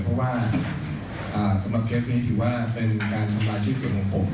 เพราะว่าสำหรับเคสนี้ถือว่าเป็นการทำอาชีพส่วนของผม